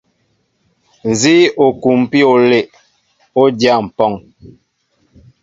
Nzi o kumpi olɛʼ, o dya mpɔŋ.